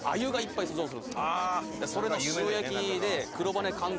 それの塩焼きで。